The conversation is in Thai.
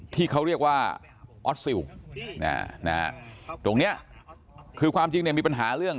ที่เขาเรียกว่าออสซิลตรงนี้คือความจริงเนี่ยมีปัญหาเรื่อง